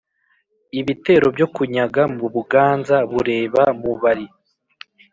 ibitero byo kunyaga mu buganza bureba mubari.